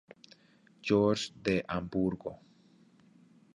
Georg de Hamburgo.